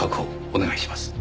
お願いします。